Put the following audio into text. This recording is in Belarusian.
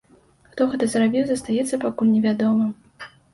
Хто гэта зрабіў, застаецца пакуль не вядомым.